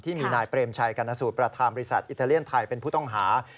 ที่มีนายเปรมชัยกรณสูตรประธานบริษัทอิตาเลียนไทยเป็นผู้ต้องหา